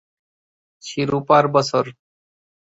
শিরোপার বছর